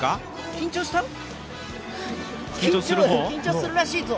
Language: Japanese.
緊張するらしいぞ。